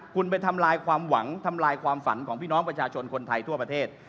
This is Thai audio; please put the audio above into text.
คุณไปทำลายความหวังทำลายความฝันของพี่น้องประชาชนคนไทยทั่วประเทศ